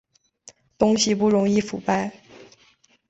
东西不容易腐败